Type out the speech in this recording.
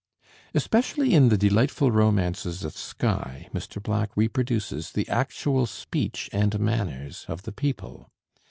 Especially in the delightful romances of Skye, Mr. Black reproduces the actual speech and manners of the people.